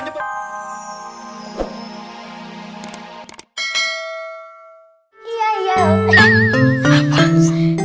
eh apaan sih